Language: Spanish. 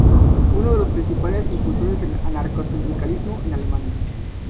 Uno de los principales impulsores del anarcosindicalismo en Alemania.